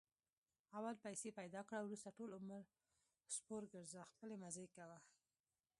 اول پیسې پیدا کړه، ورسته ټول عمر سپورګرځه خپلې مزې کوه.